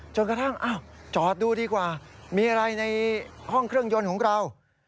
กระทั่งจอดดูดีกว่ามีอะไรในห้องเครื่องยนต์ของเรา